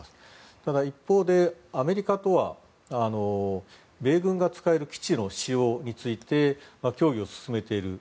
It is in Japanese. ただ一方でアメリカとは米軍が使える基地の使用について協議を進めている。